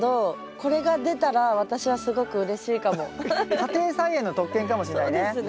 家庭菜園の特権かもしれないね。